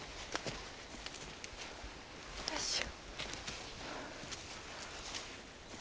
よいしょ。